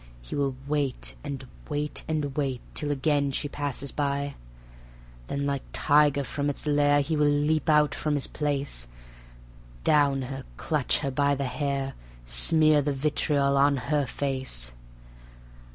He will wait and wait and wait, Till again she passes by. Then like tiger from its lair He will leap from out his place, Down her, clutch her by the hair, Smear the vitriol on her face.